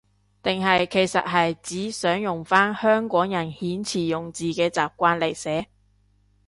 定係其實係指想用返香港人遣詞用字嘅習慣嚟寫？